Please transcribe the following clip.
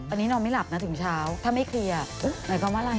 อันนี้นอนไม่หลับนะถึงเช้าถ้าไม่เคลียร์หมายความว่าอะไร